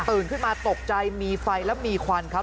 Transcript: ขึ้นมาตกใจมีไฟแล้วมีควันครับ